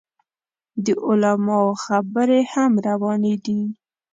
د علماو خبرې هم روانې دي.